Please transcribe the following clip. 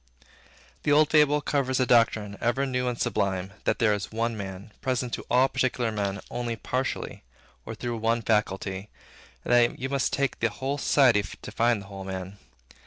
The old fable covers a doctrine ever new and sublime; that there is One Man, present to all particular men only partially, or through one faculty; and that you must take the whole society to find the whole man.